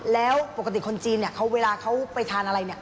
แล้วปกติคนจีนเวลาเขาไปทานอะไร